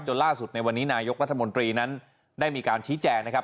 ล่าสุดในวันนี้นายกรัฐมนตรีนั้นได้มีการชี้แจงนะครับ